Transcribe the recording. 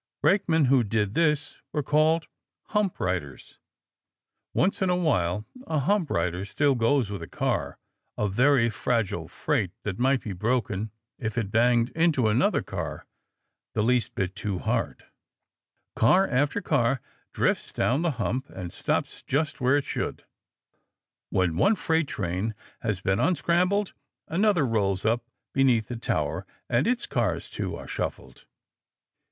Brakemen who did this were called hump riders. Once in a while a hump rider still goes with a car of very fragile freight that might be broken if it banged into another car the least bit too hard. [Illustration: LOOKING DOWN INTO PIT AT THE INSPECTOR AND HIS SEARCHLIGHTS ] Car after car drifts down the hump and stops just where it should. When one freight train has been unscrambled, another rolls up beneath the tower, and its cars, too, are shuffled.